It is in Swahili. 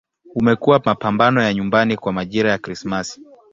Umekuwa mapambo ya nyumbani kwa majira ya Krismasi.